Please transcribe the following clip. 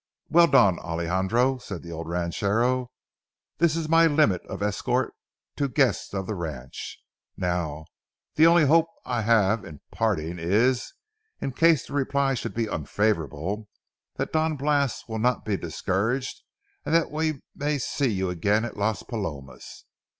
"Well, Don Alejandro," said the old ranchero, "this is my limit of escort to guests of the ranch. Now, the only hope I have in parting is, in case the reply should he unfavorable, that Don Blas will not be discouraged and that we may see you again at Las Palomas.